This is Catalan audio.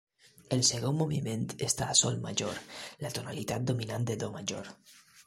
El segon moviment està sol major, la tonalitat dominant de do major.